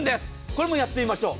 これもやってみましょう。